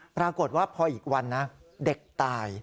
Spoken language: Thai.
ปรากฏว่าพออีกวันนะเด็กตาย